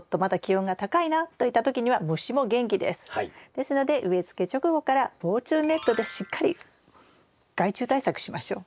ですので植え付け直後から防虫ネットでしっかり害虫対策しましょう。